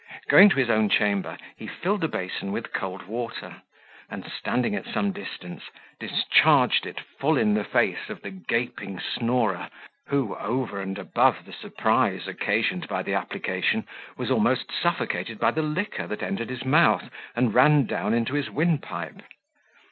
Going to his own chamber, he filled a basin with cold water, and, standing at some distance, discharged it full in the face of the gaping snorer, who, over and above the surprise occasioned by the application, was almost suffocated by the liquor that entered his mouth, and ran down into his windpipe.